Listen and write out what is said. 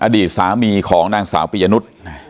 อดีตสามีของนางสาวปียนุษย์